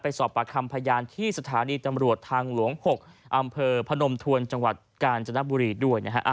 สอบประคำพยานที่สถานีตำรวจทางหลวง๖อำเภอพนมทวนจังหวัดกาญจนบุรีด้วยนะฮะ